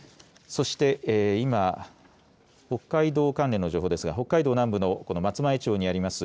そして今、北海道関連の情報ですが北海道南部の松前町にあります